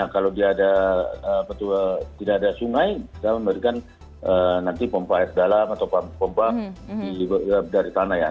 kalau dia ada tidak ada sungai kita memberikan nanti pompa air dalam atau pompa dari tanah ya